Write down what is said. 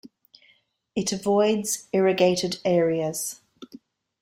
It avoids irrigated areas.